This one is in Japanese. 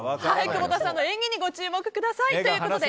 久保田さんの演技にご注目ください。